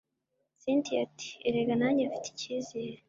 cyntia ati erega nanjye mfite icyizere